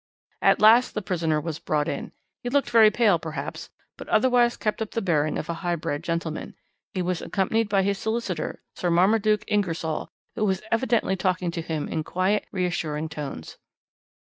"At last the prisoner was brought in. He looked very pale, perhaps, but otherwise kept up the bearing of a high bred gentleman. He was accompanied by his solicitor, Sir Marmaduke Ingersoll, who was evidently talking to him in quiet, reassuring tones.